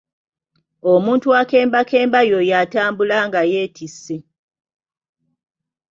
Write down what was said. Omuntu akembakemba y’oyo atambula nga yeetisse.